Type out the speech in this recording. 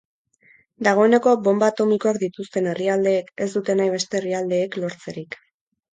Dagoeneko bonba atomikoak dituzten herrialdeek ez dute nahi beste herrialdeek lortzerik.